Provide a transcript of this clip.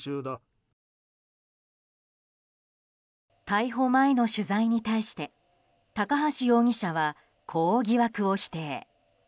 逮捕前の取材に対して高橋容疑者はこう疑惑を否定。